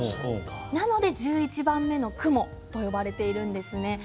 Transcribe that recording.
なので１１番目の雲と呼ばれているんですね。